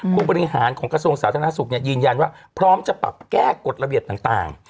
ผู้บริหารของกระทรวงสาธารณสุขยืนยันว่าพร้อมจะปรับแก้กฎระเบียบต่าง